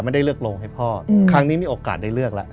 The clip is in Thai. ไม่ได้เลือกโรงให้พ่อครั้งนี้มีโอกาสได้เลือกแล้ว